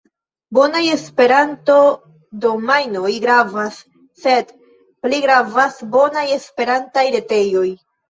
Bonaj Esperanto-domajnoj gravas, sed pli gravas bonaj Esperantaj retejoj.